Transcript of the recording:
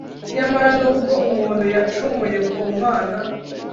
Nyamara nubwo umuntu yacumuye ku Mana